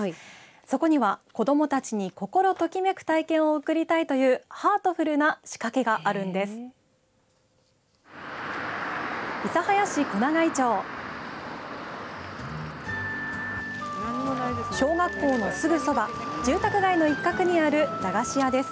そこには子どもたちに心ときめく体験を贈りたいというハートフルな仕掛けがあるんです。